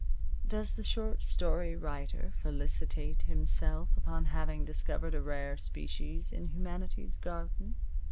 Does the short story writer felicitate himself upon having discovered a rare species in humanity's garden?